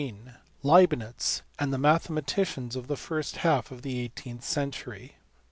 CHAPTER XVII. LEIBNITZ AND THE MATHEMATICIANS OF THE FIRST HALF OF THE EIGHTEENTH CENTURY.